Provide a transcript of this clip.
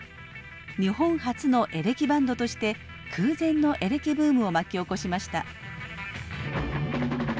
日本初のエレキバンドとして空前のエレキブームを巻き起こしました。